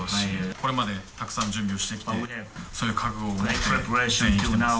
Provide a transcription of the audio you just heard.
これまでたくさん準備をしてきて、そういう覚悟を持って、全員来ています。